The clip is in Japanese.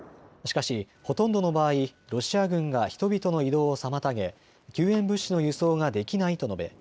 しかし、ほとんどの場合、ロシア軍が人々の移動を妨げ救援物資の輸送ができないと述べ